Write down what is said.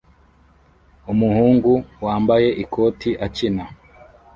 Umuhungu wambaye ikoti akina